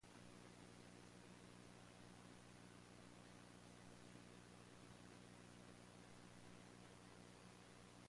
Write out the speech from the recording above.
It is nonvolatile and useful over a broad temperature range of or higher.